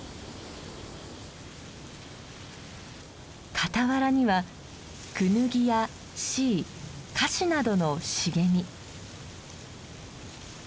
傍らにはクヌギやシイカシなどの茂み。